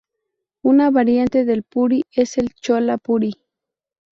Una variante del puri es el "Chola puri".